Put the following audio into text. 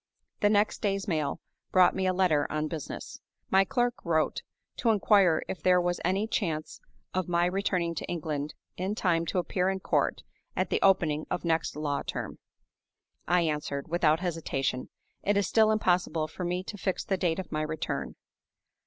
The next day's mail brought me a letter on business. My clerk wrote to inquire if there was any chance of my returning to England in time to appear in court at the opening of next law term. I answered, without hesitation, "It is still impossible for me to fix the date of my return."